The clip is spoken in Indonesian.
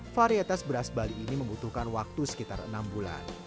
varietas beras bali ini membutuhkan waktu sekitar enam bulan